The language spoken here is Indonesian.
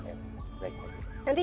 nanti juga kalau nggak salah